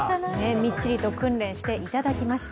みっちりと訓練していただきました。